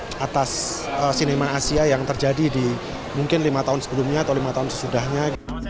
di atas sinema asia yang terjadi di mungkin lima tahun sebelumnya atau lima tahun sesudahnya